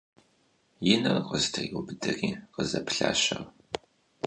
И нэр къыстриубыдэри къызэплъащ ар.